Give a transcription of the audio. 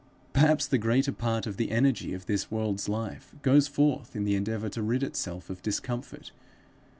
Perhaps the greater part of the energy of this world's life goes forth in the endeavour to rid itself of discomfort.